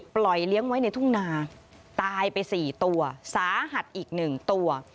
ปล่อยเลี้ยงไว้ในทุ่งนาตายไป๔ตัวสาหัสอีกหนึ่งตัว